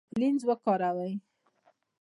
لینز کاروئ؟